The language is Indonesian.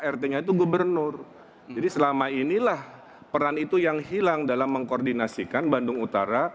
rt nya itu gubernur jadi selama inilah peran itu yang hilang dalam mengkoordinasikan bandung utara